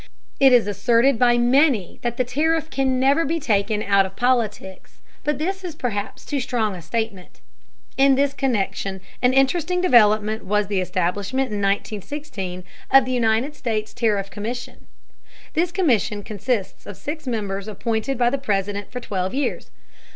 It is asserted by many that the tariff can never be taken out of politics, but this is perhaps too strong a statement. In this connection an interesting development was the establishment in 1916 of the United States Tariff Commission. This Commission consists of six members appointed by the President for twelve years.